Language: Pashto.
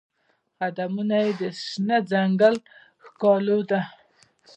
قدمونه یې د شنه ځنګل ښکالو ده